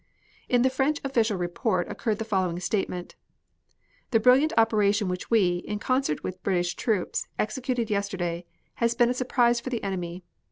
In the French official report occurred the following statement: "The brilliant operation which we, in concert with British troops, executed yesterday has been a surprise for the enemy.